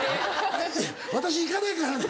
「私行かないからね！」